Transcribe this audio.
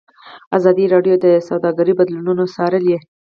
ازادي راډیو د سوداګري بدلونونه څارلي.